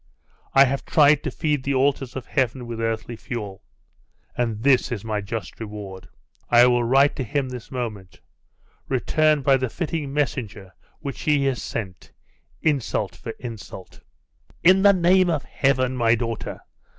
I have tried to feed the altars of heaven with earthly fuel.... And this is my just reward! I will write to him this moment, return by the fitting messenger which he has sent, insult for insult!' 'In the name of Heaven, my daughter!